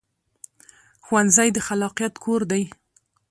ښوونځی د خلاقیت کور دی